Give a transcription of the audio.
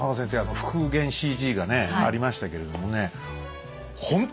復元ＣＧがねありましたけれどもね